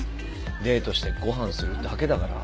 デートしてご飯するだけだから